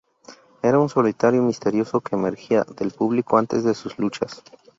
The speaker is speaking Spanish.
Era un solitario misterioso que emergía del público antes de sus luchas.